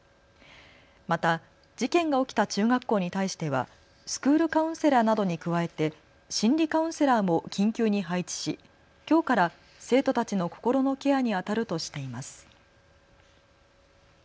また事件が起きた中学校に対してはスクールカウンセラーなどに加えて心理カウンセラーも緊急に配置しきょうから生徒たちの心のケアにあたるとしています。